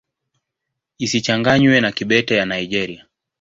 Isichanganywe na Kibete ya Nigeria.